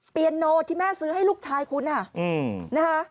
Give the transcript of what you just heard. เยียโนที่แม่ซื้อให้ลูกชายคุณนะคะ